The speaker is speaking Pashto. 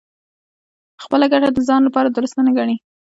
خپله ګټه د ځان لپاره دُرسته نه ګڼي.